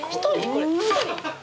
これ。